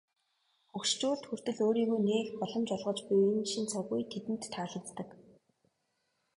Хөгшчүүлд хүртэл өөрийгөө нээх боломж олгож буй энэ шинэ цаг үе тэдэнд таалагддаг.